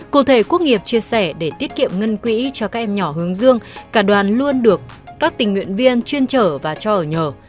cụ thể quốc nghiệp chia sẻ để tiết kiệm ngân quỹ cho các em nhỏ hướng dương cả đoàn luôn được các tình nguyện viên chuyên trở và cho ở nhờ